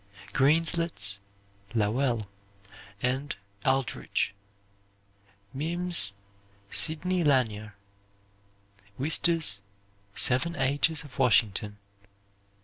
Greenslet's, "Lowell," and "Aldrich." Mims', "Sidney Lanier." Wister's, "Seven Ages of Washington."